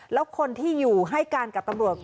แล้วคนที่อยู่ให้การกับตำรวจ